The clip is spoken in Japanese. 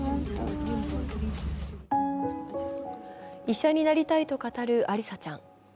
医者になりたいと語るアリサちゃん。